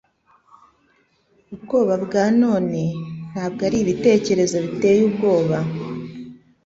Ubwoba bwa none ntabwo ari ibitekerezo biteye ubwoba.”